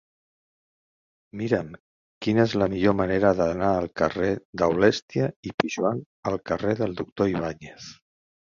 Mira'm quina és la millor manera d'anar del carrer d'Aulèstia i Pijoan al carrer del Doctor Ibáñez.